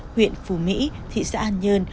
huyện phù mỹ thị xã hàn nhơn